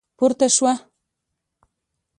پورته شوه.